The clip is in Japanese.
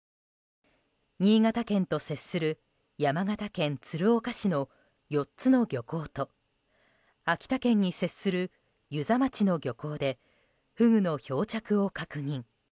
新潟県と接する山形県鶴岡市の４つの漁港と秋田県に接する遊佐町の漁港でフグの漂着を確認。